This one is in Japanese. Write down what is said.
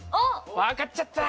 わかっちゃった！